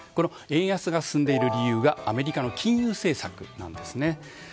円安が進んでいる理由がアメリカの禁輸政策なんですね。